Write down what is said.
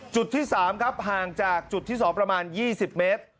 จุดที่๓ครับห่างจากจุดที่๒ประมาณ๒๐เมตร